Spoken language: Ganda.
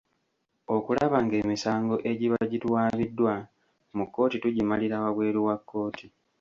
Okulaba ng’emisango egiba gituwaabiddwa mu kkooti tugimalira wabweru wa kkooti.